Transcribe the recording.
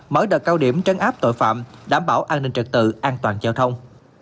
mở đợt cao điểm trấn áp tội phạm đảm bảo an ninh trật tự an toàn giao thông